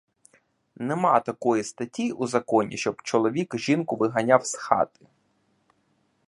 Нема такої статті у законі, щоб чоловік жінку виганяв з хати.